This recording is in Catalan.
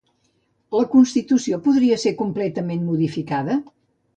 La constitució podria ser completament modificada?